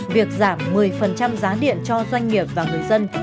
việc giảm một mươi giá điện cho doanh nghiệp và người dân